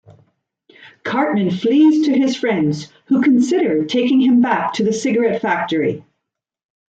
Cartman flees to his friends, who consider taking him back to the cigarette factory.